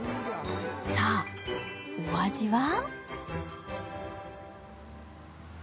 さあ、お味は？